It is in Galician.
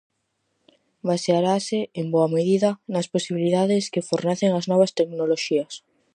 Basearase, en boa medida, "nas posibilidades que fornecen as novas tecnoloxías".